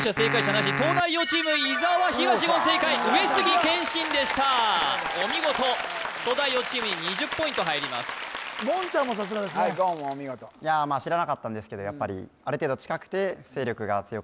なし東大王チーム伊沢東言正解上杉謙信でしたお見事東大王チームに２０ポイント入ります言ちゃんもさすがですねはい言もお見事知らなかったんですけどやっぱりを書きました